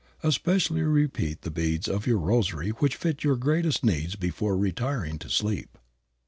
Especially repeat the beads of your rosary which fit your greatest needs before retiring to sleep.